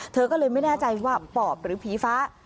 เธอก็เลยไม่แน่ใจว่าปอบหรือผีฟ้า